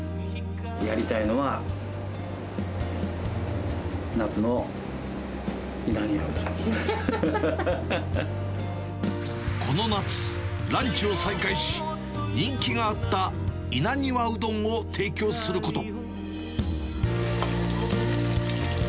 やりたいのは、この夏、ランチを再開し、人気があった稲庭うどんを提供すること。